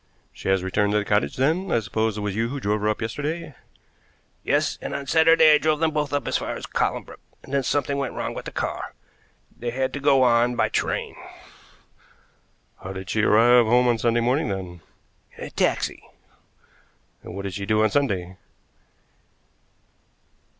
"She has returned to the cottage, then? I suppose it was you who drove her up yesterday?" "Yes, and on Saturday I drove them both up as far as Colnbrook, and then something went wrong with the car. They had to go on by train." "How did she arrive home on Sunday morning, then?" "In a taxi." "And what did she do on Sunday?"